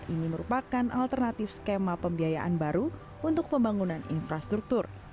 ini merupakan alternatif skema pembiayaan baru untuk pembangunan infrastruktur